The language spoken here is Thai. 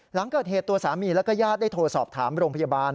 หลังเกิดเหตุตัวสามีแล้วก็ญาติได้โทรสอบถามโรงพยาบาล